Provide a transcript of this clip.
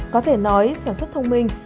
có thể nói sản xuất thông minh